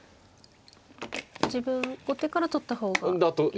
自分後手から取った方がいいですか。